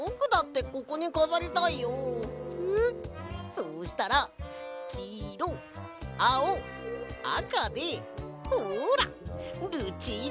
そうしたらきいろあおあかでほら！ルチータカラーだぞ！